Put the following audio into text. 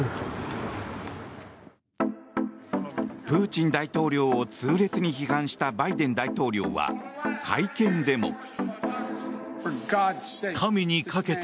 プーチン大統領を痛烈に批判したバイデン大統領は会見でも。